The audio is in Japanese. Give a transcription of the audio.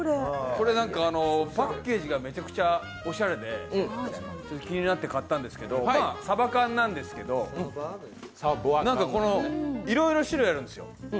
パッケージがめちゃくちゃおしゃれで気になって買ったんですけどサヴァ缶なんですけど、いろいろ種類あるんですよ。